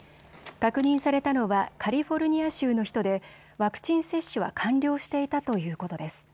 確認されたのはカリフォルニア州の人でワクチン接種は完了していたということです。